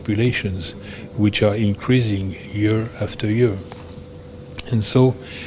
banyak kesulitan untuk memberikan suficien air untuk populasi